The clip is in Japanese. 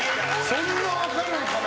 そんな分かるのかな？